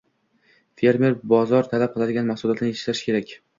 Fermer bozor talab qiladigan mahsulotni yetishtirishi kerak.